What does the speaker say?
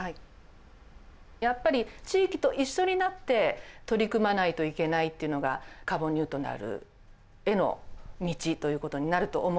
やっぱり地域と一緒になって取り組まないといけないというのがカーボンニュートラルへの道ということになると思うんですが。